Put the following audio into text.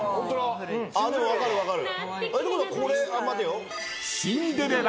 でも分かる分かる。